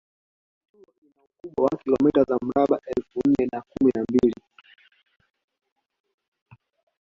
kitulo ina ukubwa wa kilomita za mraba elfu nne na kumi na mbili